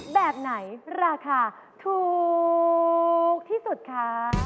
แบบไหนราคาถูกที่สุดคะ